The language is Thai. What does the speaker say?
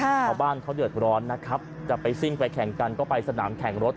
ชาวบ้านเขาเดือดร้อนนะครับจะไปซิ่งไปแข่งกันก็ไปสนามแข่งรถ